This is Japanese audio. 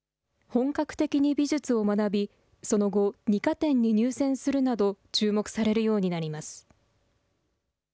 本格的に美術を学び、その後、二科展に入選するなど、注目されるようになります。